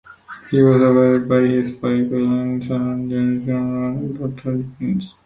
He was survived by his wife Evelyn, son Les Junior and daughter Denise.